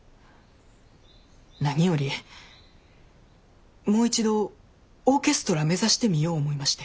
何よりもう一度オーケストラ目指してみよう思いまして。